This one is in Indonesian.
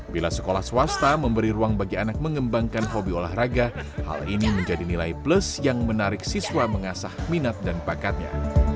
bila sekolah swasta memberi ruang bagi anak mengembangkan hobi olahraga hal ini menjadi nilai plus yang menarik siswa mengasah minat dan bakatnya